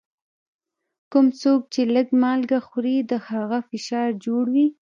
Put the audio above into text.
کوم څوک چي لږ مالګه خوري، د هغه فشار جوړ وي.